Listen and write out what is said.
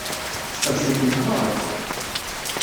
Sseqdec-itent merra!